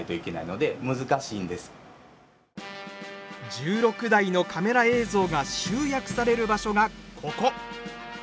１６台のカメラ映像が集約される場所が、ここ。